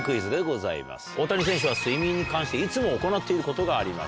大谷選手は睡眠に関していつも行っていることがあります。